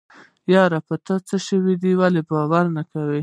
يره په تاڅه شوي ولې باور نه کوې.